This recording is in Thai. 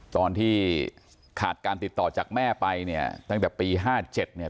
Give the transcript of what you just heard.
ตอนที่ขาดการติดต่อจากแม่ไปเนี่ยตั้งแต่ปี๕๗เนี่ย